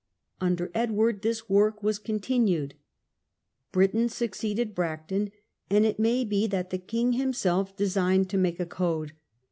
Under Edward this work was continued. Britton succeeded Bracton, and it may be that the king himself designed to make a code.